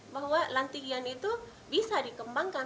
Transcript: bahwa lantigian itu bisa dikembangkan